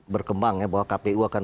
berkembang ya bahwa kpu akan